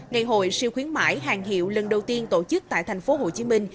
ngày hội siêu khuyến mãi hàng hiệu lần đầu tiên tổ chức tại thành phố hồ chí minh